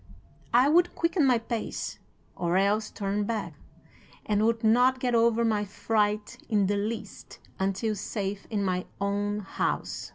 I would quicken my pace, or else turn back, and would not get over my fright in the least until safe in my own house.